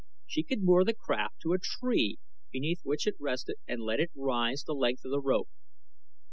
She could moor the craft to the tree beneath which it rested and let it rise the length of the rope.